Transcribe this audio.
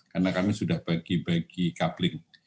karena kami sudah bagi bagi coupling